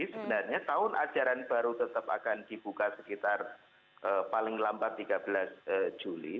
sebenarnya tahun ajaran baru tetap akan dibuka sekitar paling lambat tiga belas juli